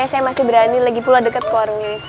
saya masih berani lagi pulang deket ke warung lilis